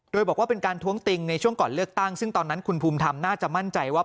โดยบอกว่าเป็นการท้วงติงในช่วงก่อนเลือกตั้งซึ่งตอนนั้นคุณภูมิธรรมน่าจะมั่นใจว่า